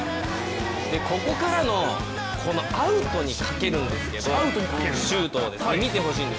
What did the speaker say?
ここからのこのアウトにかけるんですけど、シュートを。